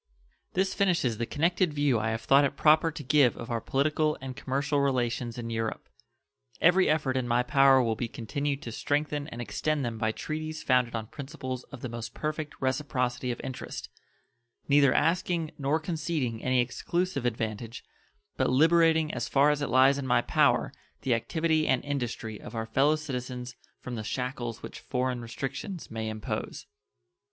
This finishes the connected view I have thought it proper to give of our political and commercial relations in Europe. Every effort in my power will be continued to strengthen and extend them by treaties founded on principles of the most perfect reciprocity of interest, neither asking nor conceding any exclusive advantage, but liberating as far as it lies in my power the activity and industry of our fellow citizens from the shackles which foreign restrictions may impose.